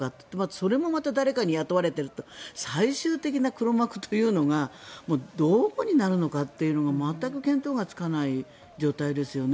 それもまた誰かに雇われていて最終的な黒幕というのがどこになるのかというのが全く見当がつかない状況ですね。